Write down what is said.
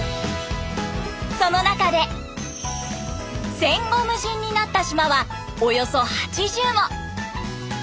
その中で戦後無人になった島はおよそ８０も。